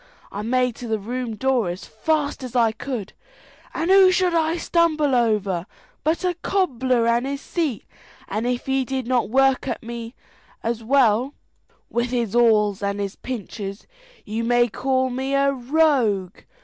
I made to the room door as fast as I could, and who should I stumble over but a cobbler and his seat, and if he did not work at me with his awls and his pinchers you may call me a rogue.